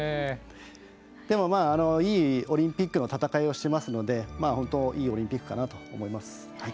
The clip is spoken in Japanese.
でも、いいオリンピックの戦いをしていますので本当、いいオリンピックかなと思います。